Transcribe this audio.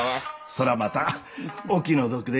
そらまたお気の毒でげすねえ。